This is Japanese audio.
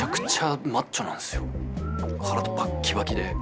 体バッキバキで。